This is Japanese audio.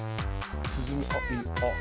あっ。